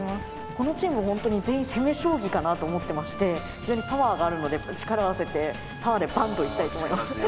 このチームほんとに全員攻め将棋かなと思ってまして非常にパワーがあるので力合わせてパワーでバンッといきたいと思います。